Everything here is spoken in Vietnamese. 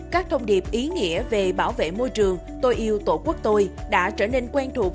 các thông điệp ý nghĩa về bảo vệ môi trường tôi yêu tổ quốc tôi đã trở nên quen thuộc